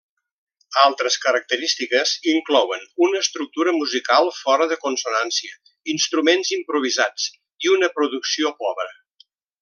Altres característiques inclouen una estructura musical fora de consonància, instruments improvisats i una producció pobra.